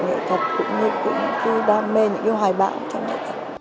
với những điều hoài bạo trong đó